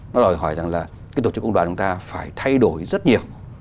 nó đòi hỏi rằng là cái tổ chức công đoàn chúng ta phải thay đổi rất nhiều